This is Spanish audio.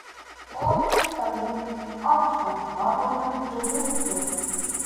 Hospitalet hasta sacarlo del descenso.